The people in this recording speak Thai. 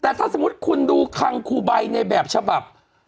แต่ถ้าสมมุติคุณดูคังคูใบในแบบฉบับ